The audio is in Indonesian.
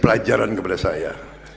belajaran kepada saya